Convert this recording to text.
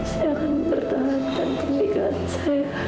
saya akan bertahan dalam pernikahan saya